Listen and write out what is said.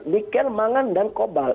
mikel mangan dan cobal